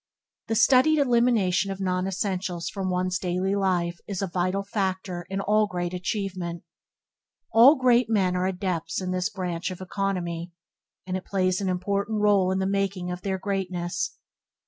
The studied elimination of non essentials from one's daily life is a vital factor in all great achievement. All great men are adepts in this branch of economy, and it plays an important part in the making of their greatness.